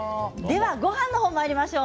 ごはんの方にまいりましょう。